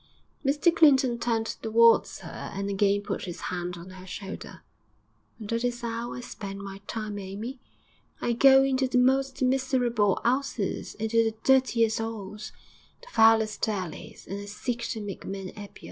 Mr Clinton turned towards her and again put his hand on her shoulder. 'And that is 'ow I spend my time, Amy. I go into the most miserable 'ouses, into the dirtiest 'oles, the foulest alleys, and I seek to make men 'appier.